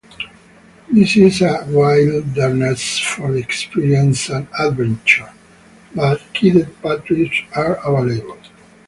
This is a wilderness for the experienced adventurer but guided packtrips are available.